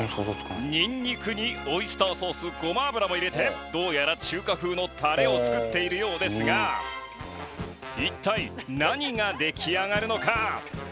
ニンニクにオイスターソースごま油も入れてどうやら中華風のタレを作っているようですが一体何が出来上がるのか？